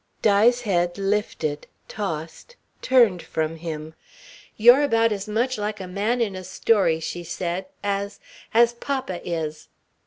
Di's head lifted, tossed, turned from him. "You're about as much like a man in a story," she said, "as as papa is."